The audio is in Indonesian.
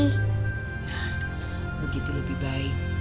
nah begitu lebih baik